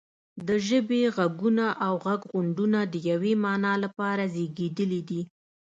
د ژبې غږونه او غږغونډونه د یوې معنا لپاره زیږیدلي دي